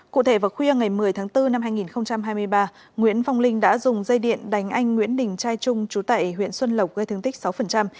cụ thể vào khuya ngày một mươi tháng bốn năm hai nghìn hai mươi ba nguyễn phong linh đã dùng dây điện đánh anh nguyễn đình trai trung trú tại huyện xuân lộc gây thương tích sáu